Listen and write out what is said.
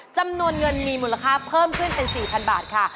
จำนวนเงินมีมูลค่าเพิ่มขึ้นเป็น๔๐๐๐บาทค่ะ